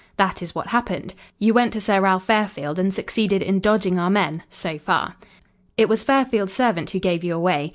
"That is what happened. You went to Sir Ralph Fairfield, and succeeded in dodging our men so far. It was Fairfield's servant who gave you away.